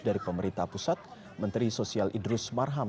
dari pemerintah pusat menteri sosial idrus marham